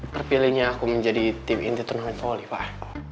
terpilihnya aku menjadi tim inti turnamen volley pak